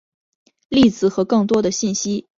例子和更多的讯息请见锐音符。